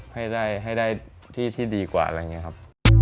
ให้ได้ที่ที่ดีกว่าอะไรอย่างนี้ครับ